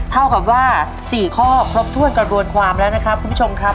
เท่ากับว่า๔ข้อครบถ้วนกระบวนความแล้วนะครับคุณผู้ชมครับ